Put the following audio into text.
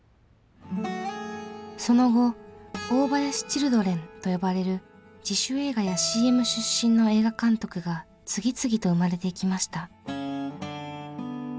その後「大林チルドレン」と呼ばれる自主映画やＣＭ出身の映画監督が次々と生まれていきました。